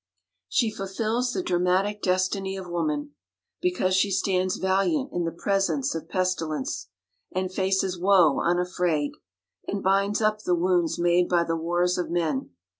"She fulfills the dramatic destiny of woman, Because she stands valiant, in the presence of pestilence, And faces woe unafraid, And binds up the wounds made by the wars of men.